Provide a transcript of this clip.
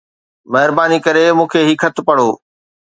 مهرباني ڪري مون کي هي خط پڙهو